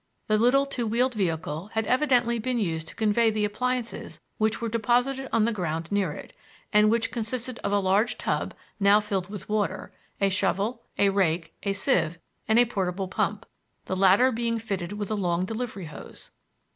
The little two wheeled vehicle had evidently been used to convey the appliances which were deposited on the ground near it, and which consisted of a large tub now filled with water a shovel, a rake, a sieve, and a portable pump, the latter being fitted with a long delivery hose.